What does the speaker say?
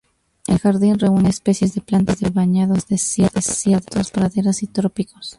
El jardín reúne especies de plantas de bañados, desiertos, praderas y trópicos.